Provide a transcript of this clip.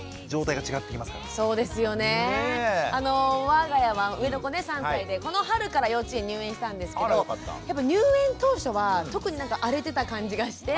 わが家は上の子ね３歳でこの春から幼稚園入園したんですけど入園当初は特に荒れてた感じがして。